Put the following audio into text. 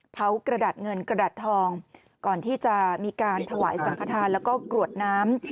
กระดาษเงินกระดาษทองก่อนที่จะมีการถวายสังขทานแล้วก็กรวดน้ำ